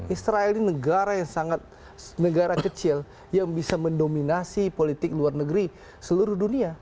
israel ini negara yang sangat negara kecil yang bisa mendominasi politik luar negeri seluruh dunia